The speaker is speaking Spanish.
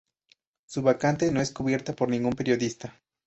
Su vacante no es cubierta por ningún periodista.